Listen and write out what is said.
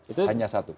itu hanya satu